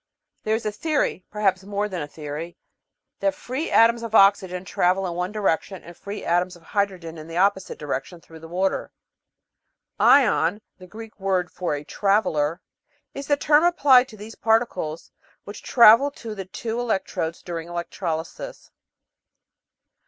There is a theory perhaps more than a theory that free atoms of oxygen travel in one direction and free atoms of hydrogen in the opposite direction through the water. "Ion," the Greek word for a traveller, is the term applied to these particles which travel to the two electrodes during electrolysis.